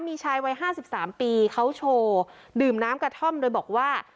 มีชายวัย๕๓ปีเขาโชว์ดื่มน้ำกระท่อมโดยบอกว่า